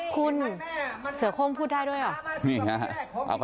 คุณเสือโค้งพูดได้ด้วยเหรอ